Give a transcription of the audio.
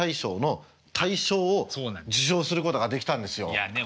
いやね